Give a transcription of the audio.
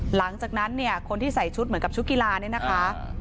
หลังจากนั้นเนี่ยคนที่ใส่ชุดเหมือนกับชุดกีฬาเนี่ยนะคะ